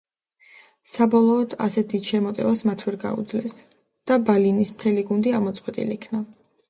საბოლოოდ, ასეთ დიდ შემოტევას მათ ვერ გაუძლეს და ბალინის მთელი გუნდი ამოწყვეტილი იქნა.